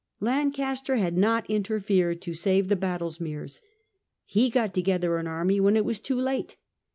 Lancaster had not interfered to save the Badlesmeres; he got together an army when it was too late.